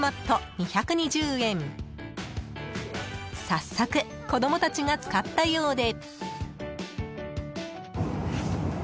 ［早速子供たちが使ったようで］